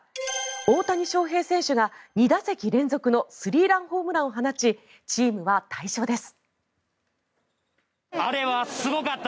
大谷翔平選手が２打席連続のスリーランホームランを放ちチームは大勝です。